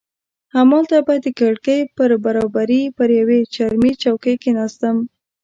همالته به د کړکۍ پر برابري پر یوې چرمي چوکۍ کښېناستم.